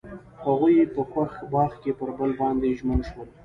هغوی په خوښ باغ کې پر بل باندې ژمن شول.